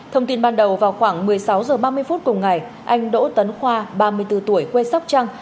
thông tin ban đầu vào khoảng một mươi sáu h ba mươi phút cùng ngày anh đỗ tấn khoa ba mươi bốn tuổi quê sóc trăng